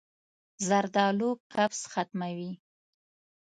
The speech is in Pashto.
زردالو قبض ختموي.